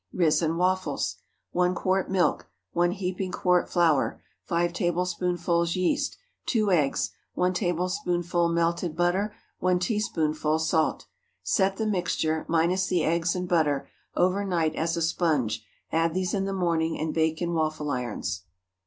RISEN WAFFLES. 1 quart milk. 1 heaping quart flour. 5 tablespoonfuls yeast. 2 eggs. 1 tablespoonful melted butter. 1 teaspoonful salt. Set the mixture—minus the eggs and butter—over night as a sponge; add these in the morning, and bake in waffle irons.